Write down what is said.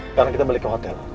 sekarang kita balik ke hotel